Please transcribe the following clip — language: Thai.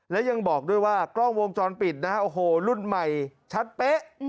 และยังบอกด้วยว่ากล้องวงจรปิดนะฮะโอ้โหรุ่นใหม่ชัดเป๊ะ